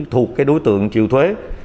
thuộc cái đối tượng chịu thuế